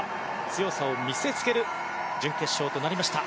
強さを見せつける準決勝となりました。